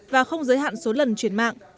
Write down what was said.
và không giới hạn số lần chuyển mạng